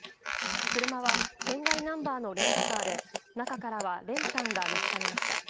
車は県外ナンバーのレンタカーで中からは練炭が見つかりました。